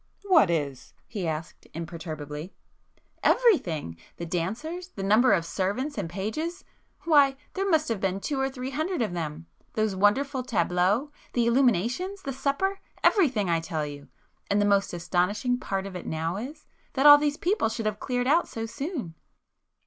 "What is?" he asked imperturbably. "Everything!—the dancers,—the number of servants and pages—why, there must have been two or three hundred of them,—those wonderful 'tableaux,'—the illuminations,—the supper,—everything I tell you!—and the most astonishing part of it now is, that all these people should have cleared out so soon!"